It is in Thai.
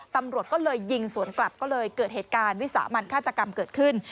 ตำรวจก็เลยยิงสวนกลับก็เลยเกิดเหตุการณ์วิสามันฆาตกรรมเกิดขึ้น